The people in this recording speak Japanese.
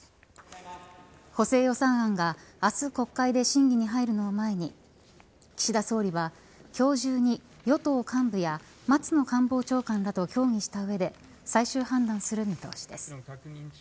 補正予算案が明日、国会で審議に入るのを前に岸田総理は今日中に与党幹部や松野官房長官らと協議した上で最終判断する見通しです。